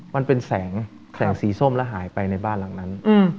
มันเป็นแสงสีส้มแล้วหายไปในบ้านหลังนั้น